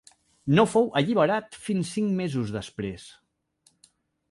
No fou alliberat fins cinc mesos després.